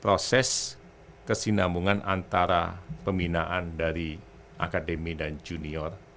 proses kesinambungan antara pembinaan dari akademi dan junior